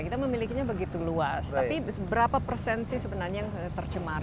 kita memilikinya begitu luas tapi berapa persen sih sebenarnya yang tercemar